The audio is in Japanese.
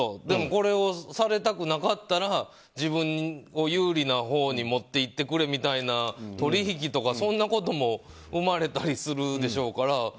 でも、これをされたくなかったら自分を有利なほうに持っていってくれみたいな取引とか、そんなことも生まれたりするでしょうから。